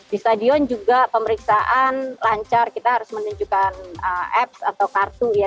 di stadion juga pemeriksaan lancar kita harus menunjukkan apps atau kartu ya